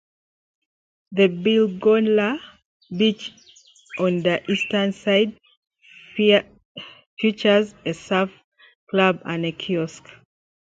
The Bilgola Beach on the eastern side features a surf club and kiosk.